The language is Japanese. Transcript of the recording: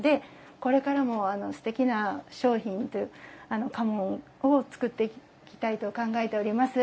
これからもすてきな商品、家紋を作っていきたいと考えております。